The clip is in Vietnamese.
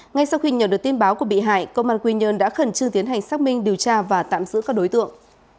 ngay sau khi nhận được tin báo của bị hại công an quy nhơn đã khẩn trương tiến hành xác minh điều tra và tạm giữ các đối tượng